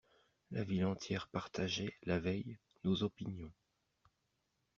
La ville entière partageait, la veille, nos opinions.